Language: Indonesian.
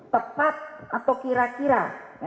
tepat atau kira kira